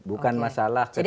bukan masalah ketatanan